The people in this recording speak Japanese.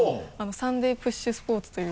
「サンデーＰＵＳＨスポーツ」という。